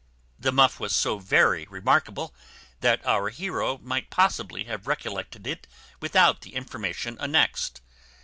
The muff was so very remarkable, that our heroe might possibly have recollected it without the information annexed.